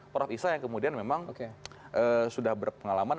prof isa yang kemudian memang sudah berpengalaman